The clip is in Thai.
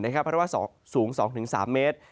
เพราะว่าสูง๒๓เมตร